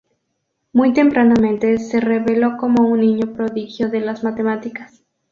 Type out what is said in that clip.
Muy tempranamente se reveló como un niño prodigio de las matemáticas.